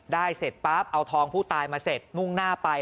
เสร็จปั๊บเอาทองผู้ตายมาเสร็จมุ่งหน้าไป